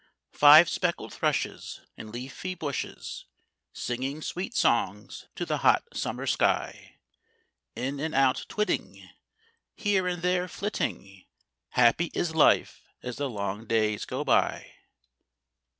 Five speckled thrushes In leafy bushes Singing sweet songs to the hot Summer sky. In and out twitting, Here and there flitting, Happy is life as the long days go by.